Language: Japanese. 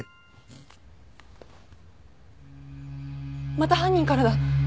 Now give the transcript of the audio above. また犯人からだ！